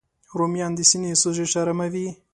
رومیان د سینې سوزش آراموي